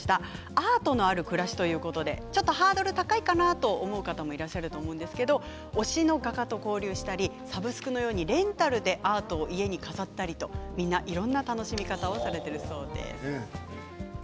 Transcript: アートのある暮らしということでハードル高いかなと思う方もいらっしゃると思うんですけど推しの画家と交流したりサブスクのようにレンタルでアートを家に飾ったりといろんな楽しみ方をされているそうです。